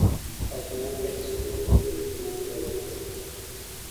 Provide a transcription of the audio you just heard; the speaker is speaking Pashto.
تاج محل ته رسېدو وروسته یې معماري او هنر ستایلی.